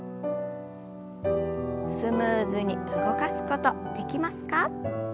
スムーズに動かすことできますか？